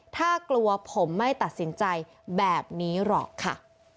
ถ้ากลัวผมไม่ตัดสินใจแบบนี้หรอกค่ะ